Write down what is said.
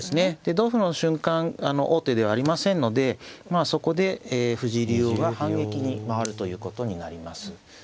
同歩の瞬間王手ではありませんのでまあそこで藤井竜王が反撃に回るということになります。